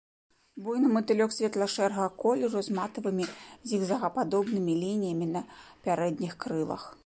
Буйны матылёк светла-шэрага колеру з матавымі зігзагападобнымі лініямі на пярэдніх крылах.